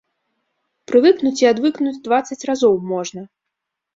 Прывыкнуць і адвыкнуць дваццаць разоў можна.